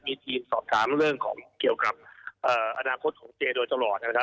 มีทีมสอบถามเรื่องของเกี่ยวกับอนาคตของเจโดยตลอดนะครับ